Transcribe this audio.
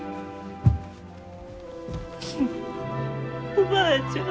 おばあちゃん。